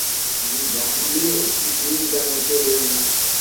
ميݩهن جآم وسي رهيو هُݩدو۔